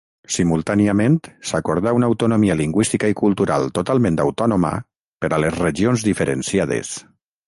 Simultàniament s'acordà una autonomia lingüística i cultural totalment autònoma per a les regions diferenciades.